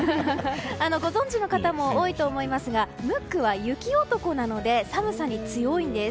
ご存じの方も多いと思いますがムックは雪男なので寒さに強いんです。